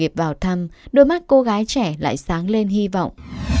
dịp vào thăm đôi mắt cô gái trẻ lại sáng lên hy vọng